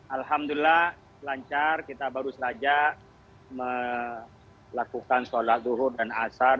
alhamdulillah lancar kita baru saja melakukan sholat duhur dan asar